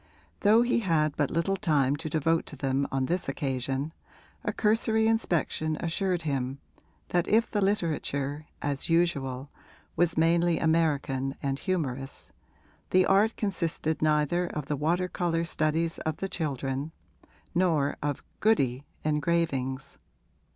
Though he had but little time to devote to them on this occasion a cursory inspection assured him that if the literature, as usual, was mainly American and humorous the art consisted neither of the water colour studies of the children nor of 'goody' engravings.